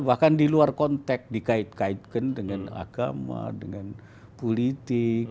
bahkan di luar konteks dikait kaitkan dengan agama dengan politik